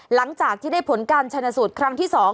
หลังจากที่ได้ผลการชนะสูตรครั้งที่๒